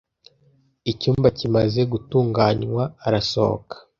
Icyumba kimaze gutunganywa, arasohoka.